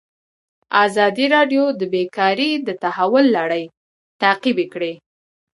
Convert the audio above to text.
ازادي راډیو د بیکاري د تحول لړۍ تعقیب کړې.